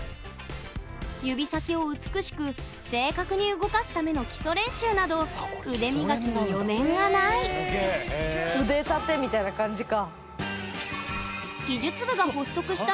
指先を美しく正確に動かすための基礎練習など腕磨きに余念がない歴史長いんだ。